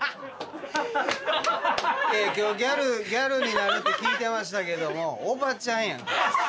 今日ギャルになるって聞いてましたけどもおばちゃんやんか。